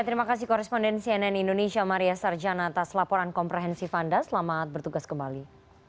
terima kasih koresponden cnn indonesia maria sarjana atas laporan komprehensif anda selamat bertugas kembali